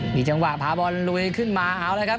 มีจังหวะพาบอลลุยขึ้นมาเอาเลยครับ